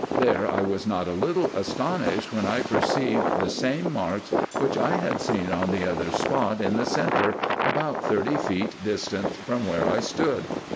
There I was not a little astonished when I perceived the same marks, which I had seen on the other spot in the centre, about thirty feet distant from where I stood.